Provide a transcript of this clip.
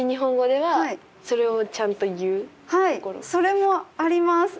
はいそれもあります。